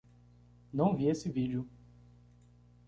Não vi esse vídeo